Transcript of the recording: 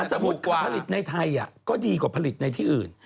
สมมุติกว่าผลิตในไทยก็ดีกว่าผลิตในที่อื่น